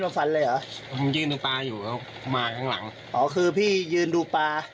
ไม่รู้